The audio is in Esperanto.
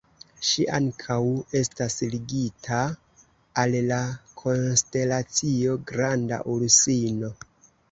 Ŝi ankaŭ estas ligita al la konstelacio Granda Ursino.